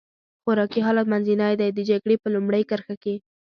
خوراکي حالت منځنی دی، د جګړې په لومړۍ کرښه کې.